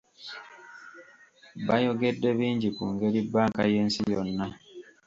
Bayogedde bingi ku ngeri bbanka y’ensi yonna.